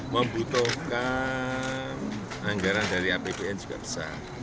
membutuhkan anggaran dari apbn juga besar